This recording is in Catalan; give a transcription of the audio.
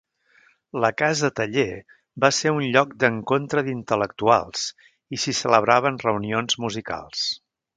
La casa-taller va ser un lloc d'encontre d'intel·lectuals i s'hi celebraven reunions musicals.